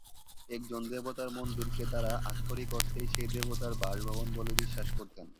একজন দেবতার মন্দিরকে তারা আক্ষরিক অর্থেই সেই দেবতার বাসভবন বলে বিশ্বাস করতেন।